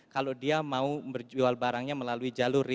kalau dia mau berjual barangnya melalui jalur